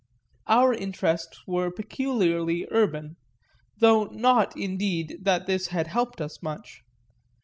Our interests were peculiarly urban though not indeed that this had helped us much.